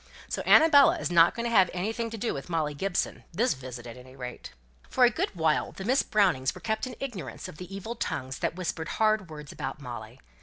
So Annabella is not to have anything to do with Molly Gibson, this visit at any rate." For a good while the Miss Brownings were kept in ignorance of the evil tongues that whispered hard words about Molly.